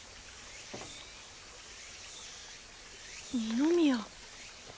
二宮。